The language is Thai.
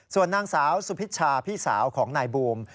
ส่วนนางสาวสุพิชชาพี่สาวของนายบูม